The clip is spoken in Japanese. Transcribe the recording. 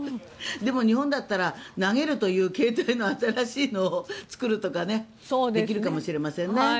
でも、日本だったら投げるという形態の新しいのを作るとかできるかもしれませんね。